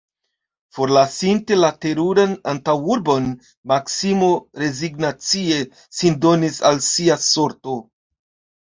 Forlasinte la teruran antaŭurbon, Maksimo rezignacie sin donis al sia sorto.